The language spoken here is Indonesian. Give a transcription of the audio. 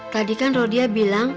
tadi kan rodia bilang